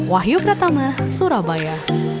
wahyu pratama surabaya